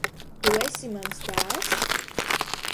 Tu esi mans dēls?